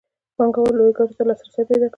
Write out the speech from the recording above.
پانګوال لویو ګټو ته لاسرسی پیدا کوي